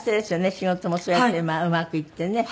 仕事もそうやってうまくいってね。